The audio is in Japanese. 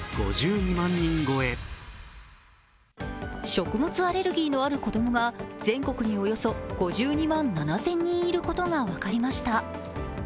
食物アレルギーのある子供が全国におよそ５２万７０００人いることが分かりました。